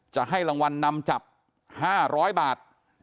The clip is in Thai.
จะให้รางวัลนำจับ๕๐๐บาท